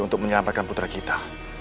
untuk menyelamatkan putra kita